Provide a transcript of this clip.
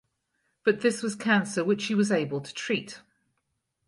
But this was cancer which she was able to treat.